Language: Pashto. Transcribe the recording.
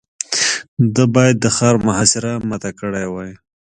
ده بايد د ښار محاصره ماته کړې وای.